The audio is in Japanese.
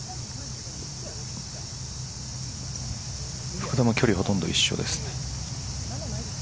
福田も距離、ほとんど一緒です。